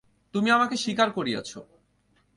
তুমি আমাকে স্বীকার করিয়েছ।